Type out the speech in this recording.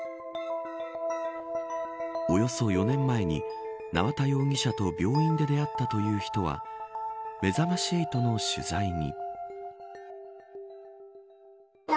およそ４年前に縄田容疑者と病院で出会ったという人はめざまし８の取材に。